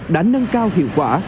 đã nâng cao hiệu quả